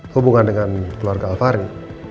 hubungan dengan keluarga alfahri